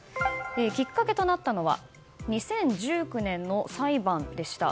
きっかけとなったのは２０１９年の裁判でした。